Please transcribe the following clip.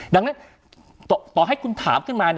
ดังนั้นต่อให้คุณถามขึ้นมา